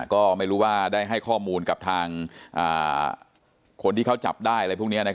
ก็ไม่รู้ว่าได้ให้ข้อมูลกับทางคนที่เขาจับได้อะไรพวกนี้